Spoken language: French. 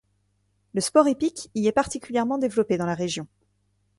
Le Sport hippique y est particulièrement développé dans la région.